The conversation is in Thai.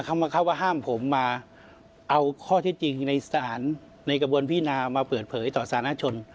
เขามาเข้าว่าห้ามผมมาเอาข้อที่จริงในศาลในกระบวนพินามาเปิดเผยต่อสารชน